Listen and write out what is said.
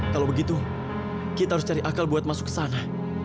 kalau begitu kita harus cari akal buat masuk ke sana